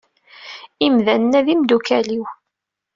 Imdanen-a d imeddukal-iw.